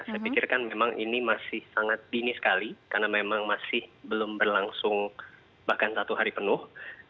saya pikirkan memang ini masih sangat dini sekali karena memang masih belum berlangsung bahkan satu hari penuh